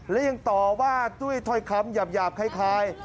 และยังต่อว่าด้วยถ้อยคำหยาบคล้าย